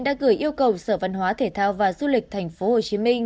đã gửi yêu cầu sở văn hóa thể thao và du lịch tp hcm